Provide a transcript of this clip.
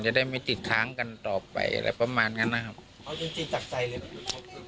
จะได้ไม่ติดค้างกันต่อไปอะไรประมาณนั้นนะครับเอาจริงจริงจากใจเลย